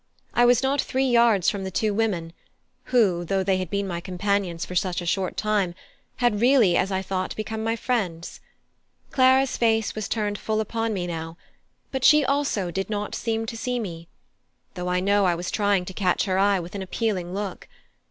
I was not three yards from the two women who, though they had been my companions for such a short time, had really, as I thought, become my friends. Clara's face was turned full upon me now, but she also did not seem to see me, though I know I was trying to catch her eye with an appealing look.